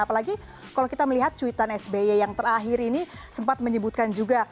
apalagi kalau kita melihat cuitan sby yang terakhir ini sempat menyebutkan juga